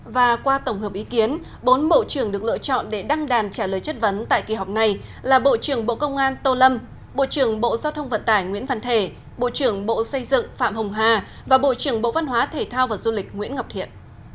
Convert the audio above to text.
và qua tổng hợp ý kiến bốn bộ trưởng được lựa chọn để đăng đàn trả lời chất vấn tại kỳ họp này là bộ trưởng bộ công an tô lâm bộ trưởng bộ giao thông vận tải nguyễn văn thể bộ trưởng bộ xây dựng phạm hồng hà và bộ trưởng bộ văn hóa thể thao và du lịch nguyễn ngọc thiện